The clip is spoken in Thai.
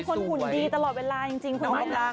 แต่เป็นคนอุ่นดีตลอดเวลายังจริงคุณแม่นี่ไง